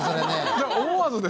いや思わずですよ。